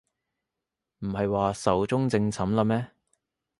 唔係話壽終正寢喇咩